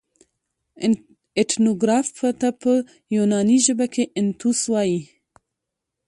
اتنوګراف ته په یوناني ژبه کښي انتوس وايي.